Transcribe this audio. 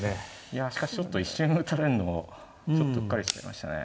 いやしかしちょっと一瞬打たれるのもちょっとうっかりしてましたね。